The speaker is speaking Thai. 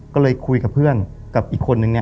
ก็เลยคุยกับเพื่อนกับอีกคนนึงเนี่ย